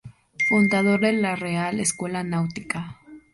Fundador de la Real Escuela Náutica.